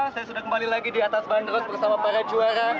saya sudah kembali lagi di atas bandros bersama para juara